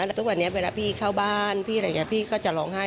แล้วทุกวันนี้เวลาพี่เข้าบ้านพี่อะไรอย่างนี้พี่ก็จะร้องไห้